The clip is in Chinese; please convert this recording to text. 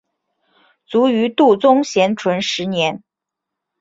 卒于度宗咸淳十年。